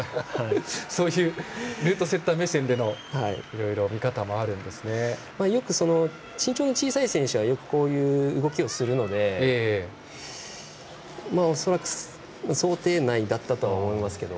そういうルートセッター目線でのよく身長が小さい選手はこういう動きをするので恐らく想定内だったとは思いますけど。